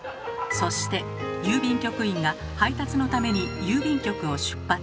そして郵便局員が配達のために郵便局を出発。